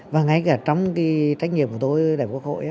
và ngay cả trong cái trách nhiệm của tôi đại quốc hội